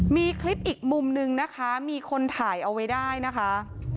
มีคลิปอีกมุมนึงนะคะมีคนถ่ายเอาไว้ได้นะคะ